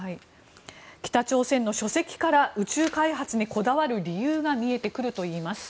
北朝鮮の書籍から宇宙開発にこだわる理由が見えてくるといいます。